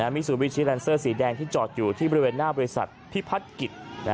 มิซูบิชิแลนเซอร์สีแดงที่จอดอยู่ที่บริเวณหน้าบริษัทพิพัฒน์กิจ